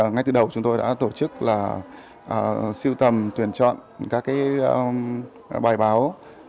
ngay từ đầu chúng tôi đã tổ chức là siêu tầm tuyển chọn các bài báo